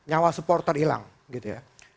ada tujuh belas nyawa supporter hilang gitu ya